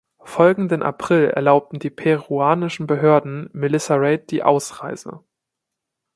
Folgenden April erlaubten die peruanischen Behörden Melissa Reid die Ausreise.